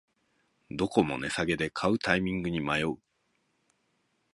どこも値下げで買うタイミングに迷う